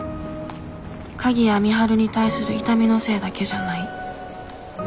鍵谷美晴に対する痛みのせいだけじゃない。